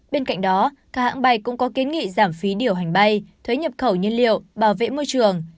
bên cạnh đó các hãng bay cũng có kiến nghị giảm phí điều hành bay thuế nhập khẩu nhiên liệu bảo vệ môi trường